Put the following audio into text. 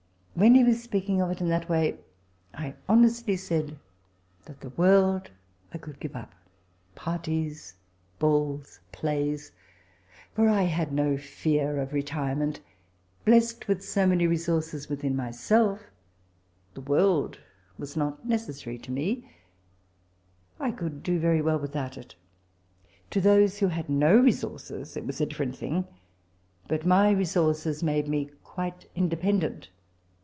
When he was speaking of it in what way, I honestly said that ihe world I could give up— parties, balls, plays— for I had no fear of retirement. Blessed with so many resources within myself the world was not necessaiy to me, I could do xery well without it. To those who had no resources it was a different thing ; but my resources made me quite independent.